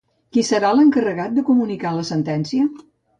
Qui serà l'encarregat de comunicar la sentència?